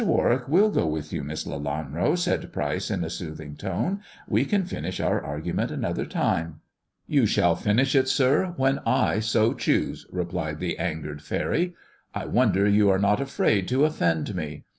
Warwick will go with you, Miss Lelanro," said Pryce in a soothing tone; "we can finish our argument another time." " You shall finish it, sir, when I so choose," replied the angered faery. "I wonder you are not afraid to offend me.